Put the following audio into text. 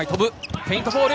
フェイントボール。